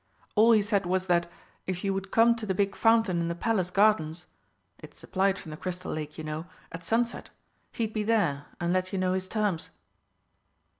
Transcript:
All he said was that, if you would come to the big fountain in the Palace gardens (it's supplied from the Crystal lake, you know) at sunset, he'd be there and let you know his terms."